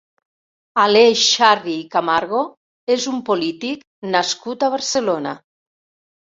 Aleix Sarri i Camargo és un polític nascut a Barcelona.